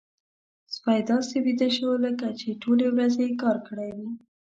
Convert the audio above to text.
سپی داسې ویده شو لکه چې ټولې ورځې يې کار کړی وي.